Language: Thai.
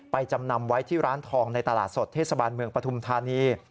จำนำไว้ที่ร้านทองในตลาดสดเทศบาลเมืองปฐุมธานี